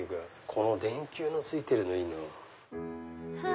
この電球のついてるのいいなぁ。